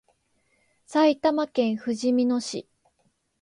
埼玉県ふじみ野市